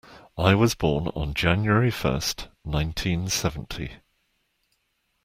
I was born on January first, nineteen seventy.